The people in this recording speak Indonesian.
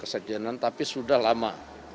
kesetianan tapi sudah lama